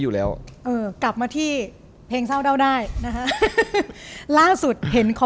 อยู่แล้วเออกลับมาที่เพลงเศร้าเ้าได้นะฮะล่าสุดเห็นขอ